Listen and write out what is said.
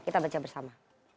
kita baca bersama